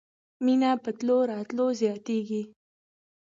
مېنه په تلو راتلو زياتېږي.